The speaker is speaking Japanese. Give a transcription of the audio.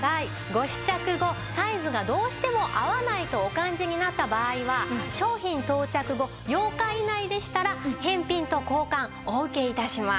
ご試着後サイズがどうしても合わないとお感じになった場合は商品到着後８日以内でしたら返品と交換お受け致します。